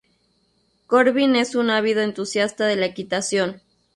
Corbin es un ávido entusiasta de la equitación.